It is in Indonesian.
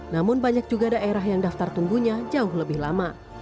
namun banyak juga daerah yang daftar tunggunya jauh lebih lama